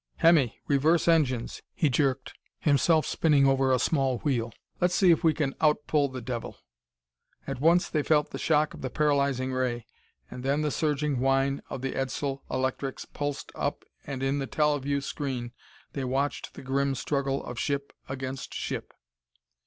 "Hemmy, reverse engines," he jerked, himself spinning over a small wheel. "Let's see if we can out pull the devil!" At once they felt the shock of the paralyzing ray, and then the surging whine of the Edsel electrics pulsed up and in the teleview screen they watched the grim struggle of ship against ship.